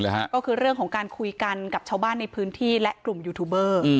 ก็คือเรื่องของการคุยกันกับชาวบ้านในพื้นที่และกลุ่มยูทูบเบอร์